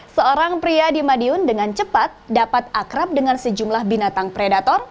seorang pria di madiun dengan cepat dapat akrab dengan sejumlah binatang predator